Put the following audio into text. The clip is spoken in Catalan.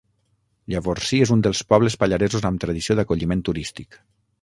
Llavorsí és un dels pobles pallaresos amb tradició d'acolliment turístic.